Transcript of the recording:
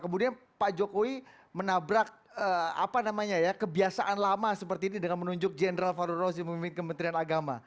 kemudian pak jokowi menabrak kebiasaan lama seperti ini dengan menunjuk general fahru roos yang memimpin kementerian agama